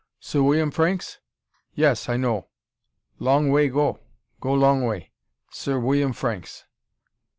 Sir William Franks? Yes, I know. Long way go go long way. Sir William Franks."